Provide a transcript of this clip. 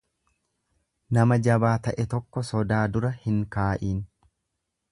Nama jabaa ta'e tokko sodaa dura hin kaa'iin.